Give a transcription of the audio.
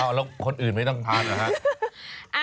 แล้วคนอื่นไม่ต้องทานเหรอฮะ